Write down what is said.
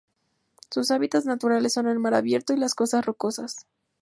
Sus hábitats naturales son el mar abierto y las costas rocosas.